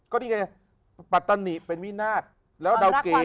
ก็นี่ไงปัตตานิเป็นวินาศแล้วดาวเกรด